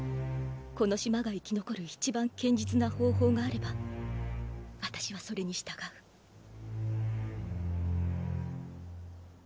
この島が生き残る一番堅実な方法があれば私はそれに従う。